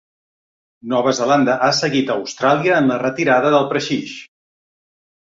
Nova Zelanda ha seguit a Austràlia en la retirada de Prexige.